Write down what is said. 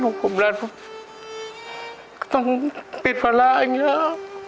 ลูกผมราชผมก็ต้องปิดภาระอย่างงี้